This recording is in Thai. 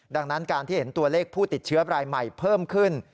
ดังนั้นการที่เห็นตัวเลขผู้ติดเชื้อรายใหม่เพิ่มขึ้น